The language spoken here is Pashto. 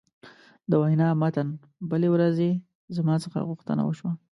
د وینا متن: بلې ورځې زما څخه غوښتنه وشوه.